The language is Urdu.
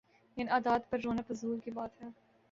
ان عادات پہ رونا فضول کی بات ہے۔